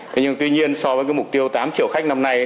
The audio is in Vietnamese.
thế nhưng tuy nhiên so với mục tiêu tám triệu khách năm nay